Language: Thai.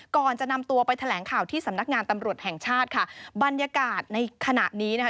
ก่อนจะนำตัวไปแถลงข่าวที่สำนักงานตำรวจแห่งชาติค่ะบรรยากาศในขณะนี้นะคะ